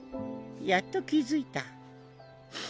やっと気付いた。